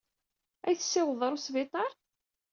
Ad iyi-tessiwḍed ɣer wesbiṭar?